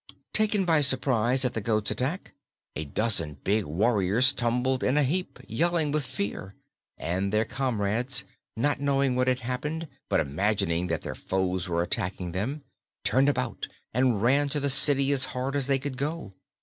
Taken by surprise at the goat's attack, a dozen big warriors tumbled in a heap, yelling with fear, and their comrades, not knowing what had happened but imagining that their foes were attacking them, turned about and ran to the city as hard as they could go.